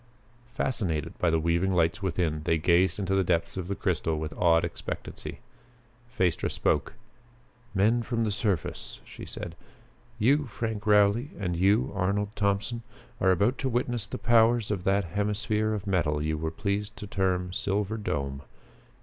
Fascinated by the weaving lights within, they gazed into the depths of the crystal with awed expectancy. Phaestra spoke. "Men from the surface," she said, "you, Frank Rowley, and you, Arnold Thompson, are about to witness the powers of that hemisphere of metal you were pleased to term 'Silver Dome.'